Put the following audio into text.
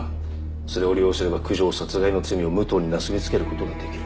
それを利用すれば九条殺害の罪を武藤になすり付けることができる。